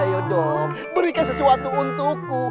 ayo dong berikan sesuatu untukku